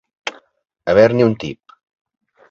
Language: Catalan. Haver-n'hi un tip.